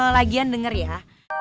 lagian denger ya